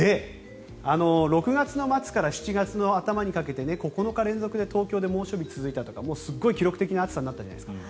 ６月末から７月の頭にかけて９日連続で東京で猛暑日続いたとかすごい記録的な暑さになったじゃないですか。